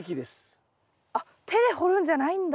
あっ手で掘るんじゃないんだ。